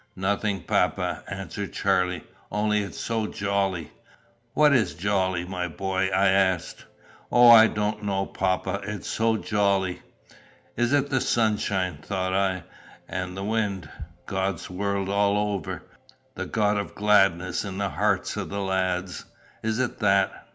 "Nothing, papa," answered Charlie. "Only it's so jolly!" "What is jolly, my boy?" I asked. "O, I don't know, papa! It's so jolly!" "Is it the sunshine?" thought I; "and the wind? God's world all over? The God of gladness in the hearts of the lads? Is it that?